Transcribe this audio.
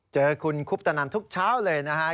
เจอคุณคุปตนันทุกเช้าเลยนะฮะ